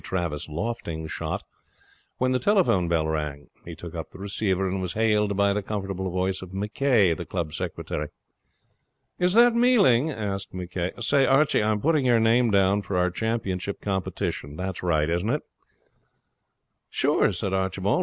Travis lofting shot when the telephone bell rang. He took up the receiver, and was hailed by the comfortable voice of McCay, the club secretary. 'Is that Mealing?' asked McCay. 'Say, Archie, I'm putting your name down for our championship competition. That's right, isn't it?' 'Sure,' said Archibald.